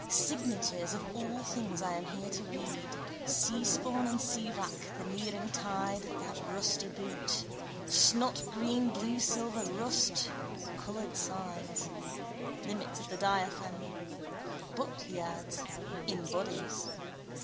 Signatures of all things I am here to read, seaspawn and seawrack, the nearing tide, that rusty boot. Snotgreen, bluesilver, rust: coloured signs. Limits of the diaphane. But he adds: in bodies.